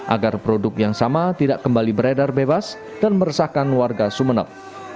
agar produk yang sama tidak kembali beredar bebas dan meresahkan warga sumeneb